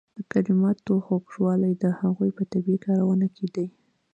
د کلماتو خوږوالی د هغوی په طبیعي کارونه کې دی.